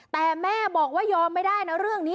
แต่แม่บอกว่ายอมไม่ได้นะเรื่องนี้